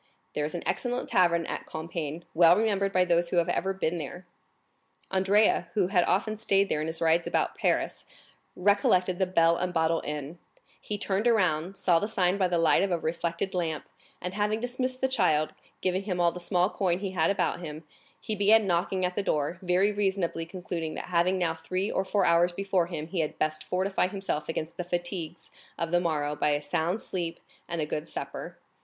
There is an excellent tavern at Compiègne, well remembered by those who have ever been there. Andrea, who had often stayed there in his rides about Paris, recollected the Bell and Bottle inn; he turned around, saw the sign by the light of a reflected lamp, and having dismissed the child, giving him all the small coin he had about him, he began knocking at the door, very reasonably concluding that having now three or four hours before him he had best fortify himself against the fatigues of the morrow by a sound sleep and a good supper.